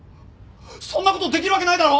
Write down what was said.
そんなことできるわけないだろ！